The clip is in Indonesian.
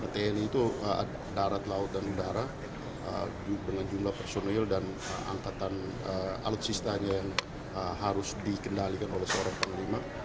tni itu darat laut dan udara dengan jumlah personil dan angkatan alutsistanya yang harus dikendalikan oleh seorang panglima